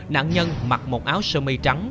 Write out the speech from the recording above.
nạn nhân mặc một áo sơ mi trắng